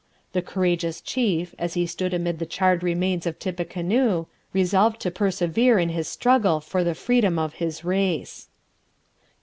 The courageous chief, as he stood amid the charred remains of Tippecanoe, resolved to persevere in his struggle for the freedom of his race.